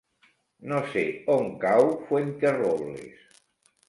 No sé on cau Fuenterrobles.